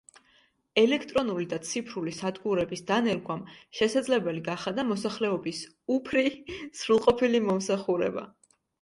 ელექტრონული და ციფრული სადგურების დანერგვამ შესაძლებელი გახადა მოსახლეობის უფრი სრულყოფილი მომსახურება.